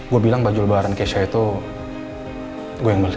gue bilang baju lebaran kesha itu gue yang beli